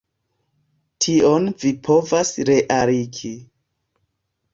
Tion vi povas realigi.